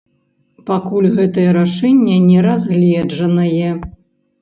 Пакуль гэтае рашэнне не разгледжанае.